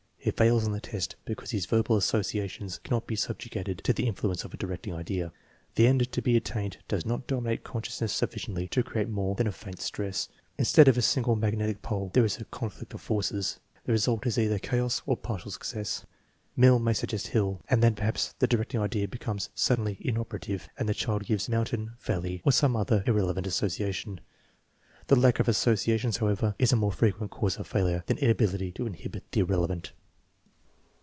lie fails on the test because his verbal associations cannot be subjugated to the influence of a directing idea. The end to be attained does not dominate consciousness sufficiently to create more than a faint stress. Instead of a single mag netic pole there is a conflict of forces. The result is either chaos or partial success. Mill may suggest hill, and then perhaps the directing idea becomes suddenly inoperative and the child gives mountain, valley, or some other irrele vant association. The lack of associations, however, is a more frequent cause of failure than inability to inhibit the irrelevant.